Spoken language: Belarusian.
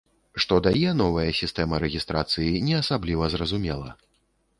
Што дае новая сістэма рэгістрацыі, не асабліва зразумела.